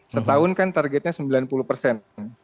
setahun kan targetnya sembilan puluh persen